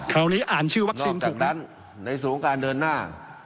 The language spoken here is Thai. คราวนี้อ่านชื่อวัคซีนถูกนั้นในส่วนของการเดินหน้า